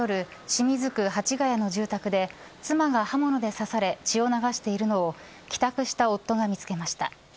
清水区蜂ヶ谷の住宅で妻が刃物で刺され血を流しているのを帰宅した夫が見つけました。